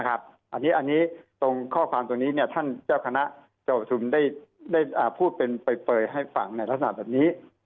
อันนี้ตรงข้อความตรงนี้ท่านเจ้าคณะเจ้าประชุมได้พูดเป็นเปลยให้ฟังในลักษณะแบบนี้